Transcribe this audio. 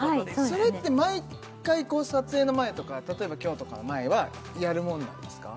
それって毎回こう撮影の前とか例えば今日とかの前はやるものなんですか？